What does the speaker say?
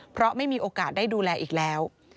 เพราะไม่มีโอกาสได้ดูแลอีกแล้ว